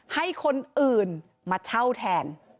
ให้คนอื่นมาเช่าแทน